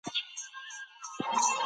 څوک له دې خطره اغېزمن کېږي؟